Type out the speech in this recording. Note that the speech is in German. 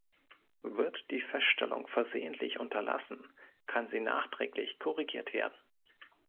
Wird die Feststellung versehentlich unterlassen, kann sie nachträglich korrigiert werden.